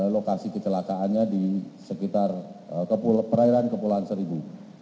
lokasi kecelakaannya di sekitar perairan kepulauan seribu